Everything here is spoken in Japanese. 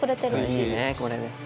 いいねこれ。